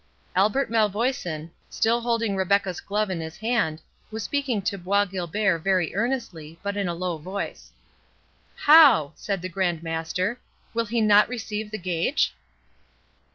Albert Malvoisin, still holding Rebecca's glove in his hand, was speaking to Bois Guilbert very earnestly, but in a low voice. "How!" said the Grand Master, "will he not receive the gage?"